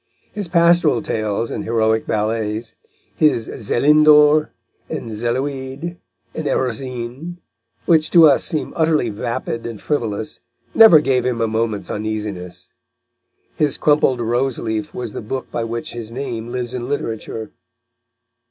His pastoral tales and heroic ballets, his Zélindors and Zéloïdes and Erosines, which to us seem utterly vapid and frivolous, never gave him a moment's uneasiness. His crumpled rose leaf was the book by which his name lives in literature.